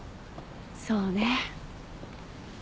そうね。